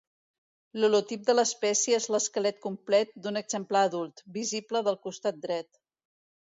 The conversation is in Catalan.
L'holotip de l'espècie és l'esquelet complet d'un exemplar adult, visible del costat dret.